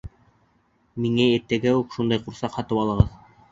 Миңә иртәгә үк шундай ҡурсаҡ һатып алығыҙ!..